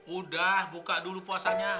udah buka dulu puasanya